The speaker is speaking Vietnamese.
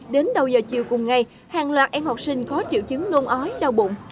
đến đầu giờ chiều cùng ngày hàng loạt em học sinh có triệu chứng nôn ói đau bụng